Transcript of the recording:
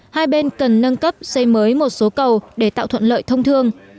hai bên cần nâng cấp xây mới một số cầu để tạo thuận lợi thông thương